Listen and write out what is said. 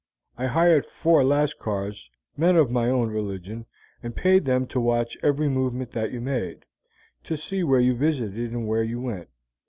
I hired four Lascars, men of my own religion, and paid them to watch every movement that you made, to see where you visited and where you went.